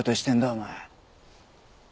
お前。